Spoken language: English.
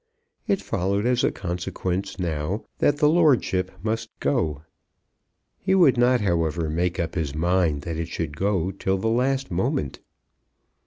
It followed as a consequence now that the lordship must go. He would not, however, make up his mind that it should go till the last moment.